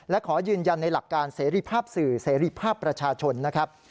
และขอยืนยันในหลักการเสรีภาพสื่อเสรีภาพประชาชนนะครับ